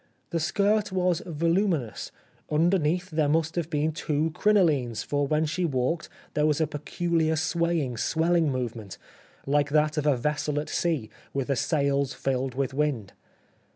The skirt was voluminous, underneath there must have been two crinolines, for when she walked there was a peculiar swaying, swelling movement, like that of a vessel at sea, with the sails filled with wind.